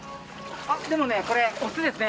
でもねこれオスですね。